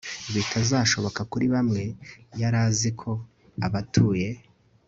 bitazashoboka kuri bamwe Yari azi ko abatuye